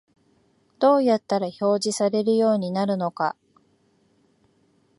どうやったら表示されるようになるのか